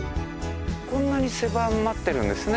こんなに狭まってるんですね。